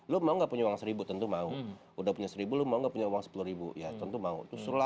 lo mau nggak punya uang seribu tentu mau udah punya seribu lo mau nggak punya uang sepuluh ribu ya tentu mau